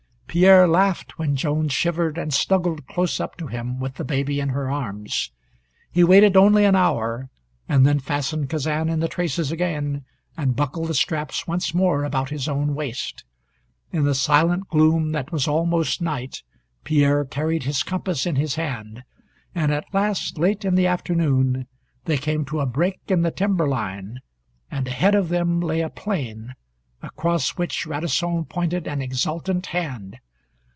Pierre laughed when Joan shivered and snuggled close up to him with the baby in her arms. He waited only an hour, and then fastened Kazan in the traces again, and buckled the straps once more about his own waist. In the silent gloom that was almost night Pierre carried his compass in his hand, and at last, late in the afternoon, they came to a break in the timber line, and ahead of them lay a plain, across which Radisson pointed an exultant hand.